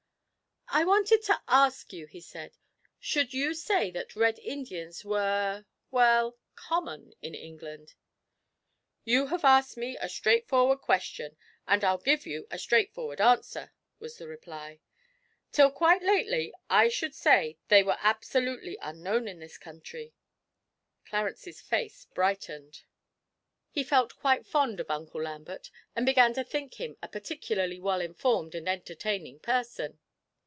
'I wanted to ask you,' he said, 'should you say that Red Indians were well, common in England?' 'You have asked me a straightforward question, and I'll give you a straightforward answer,' was the reply. 'Till quite lately I should say they were absolutely unknown in this country.' Clarence's face brightened; he felt quite fond of Uncle Lambert, and began to think him a particularly well informed and entertaining person.